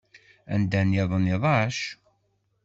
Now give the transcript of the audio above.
Anda-nniḍen iḍac.